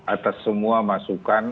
atas semua masukan